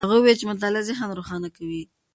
هغه وویل چې مطالعه ذهن روښانه کوي.